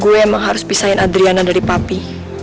gue emang harus pisahin adriana dari papi